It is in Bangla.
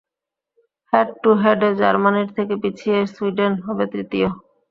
হেড টু হেডে জার্মানির থেকে পিছিয়ে সুইডেন হবে তৃতীয়।